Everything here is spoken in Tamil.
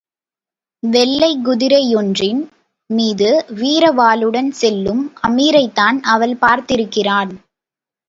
வெள்ளைக் குதிரையொன்றின் மீது வீரவாளுடன் செல்லும் அமீரைத்தான் அவள் பார்த்திருக்கிறான்.